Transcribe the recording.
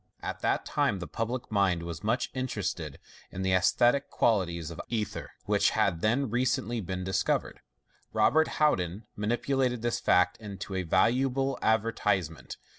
At that time the public mind Was much interested in the anaesthetic qualities of ether, which had then recently been discovered. Robert Houdin manipulated this fact into a valuable advertisement.